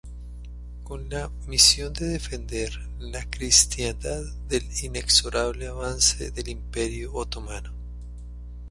Con la misión de defender la Cristiandad del inexorable avance del Imperio Otomano.